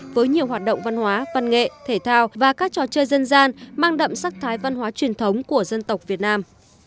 với nhiều hoạt động văn hóa văn nghệ thể thao và các trò chơi dân gian mang đậm sắc thái văn hóa truyền thống của dân tộc việt nam